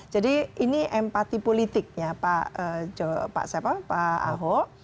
jadi ini empati politiknya pak ahok